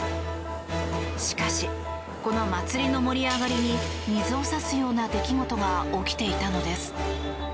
しかし、この祭りの盛り上がりに水を差すような出来事が起きていたのです。